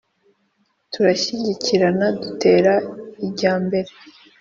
turashyigikirana dutera ijya mbere